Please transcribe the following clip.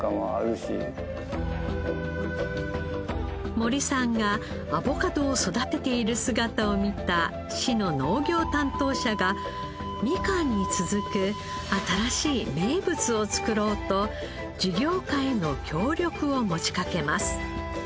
森さんがアボカドを育てている姿を見た市の農業担当者がミカンに続く新しい名物を作ろうと事業化への協力を持ちかけます。